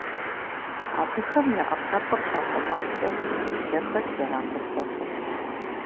Абыхэм я Ӏэпкълъэпкъыр щахъумэфкӀэ, дэ хэт зэран къытхуэхъур?